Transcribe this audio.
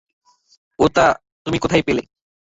ওটা তুমি কোথায় পেলে?